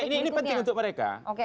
ini penting untuk mereka